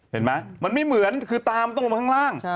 เห็นไหมมันไม่เหมือนคือตามต้องลงมาข้างล่าง